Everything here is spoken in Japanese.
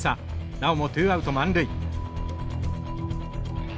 なおもツーアウト満塁。